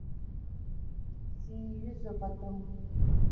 Сиҩызоуп атәым.